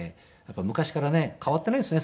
昔からね変わっていないですね